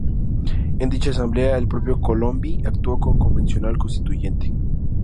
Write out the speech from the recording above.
En dicha asamblea, el propio Colombi actuó como convencional constituyente.